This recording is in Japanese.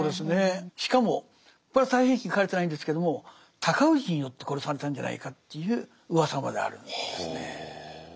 しかもこれは「太平記」に書かれてないんですけども尊氏によって殺されたんじゃないかといううわさまであるんですね。は。